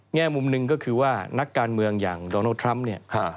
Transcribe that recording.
แง่มุมหนึ่งก็คือว่านักการเมืองอย่างโดนัลดทรัมป์เนี่ย